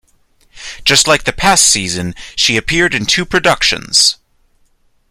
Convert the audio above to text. Just like the past season, she appeared in two productions.